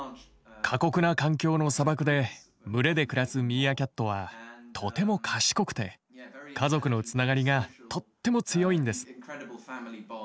過酷な環境の砂漠で群れで暮らすミーアキャットはとても賢くて家族のつながりがとっても強いんです。